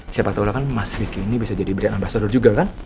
siapa tau lah kan mas ricky ini bisa jadi brand ambasador juga kan